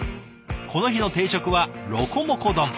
この日の定食はロコモコ丼。